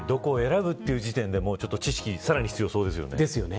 どこを選ぶという時点で知識がさらに必要そうですね。